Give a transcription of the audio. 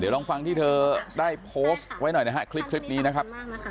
ลองฟังที่เธอได้โพสต์ไว้หน่อยนะฮะคลิปนี้นะครับ